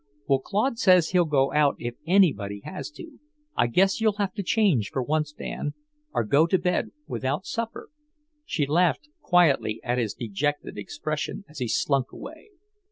"Well, Claude says he'll go out if anybody has to. I guess you'll have to change for once, Dan, or go to bed without your supper." She laughed quietly at his dejected expression as he slunk away.